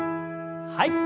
はい。